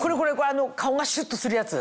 顔がシュっとするやつ。